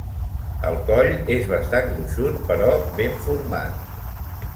El coll és bastant gruixut però ben format.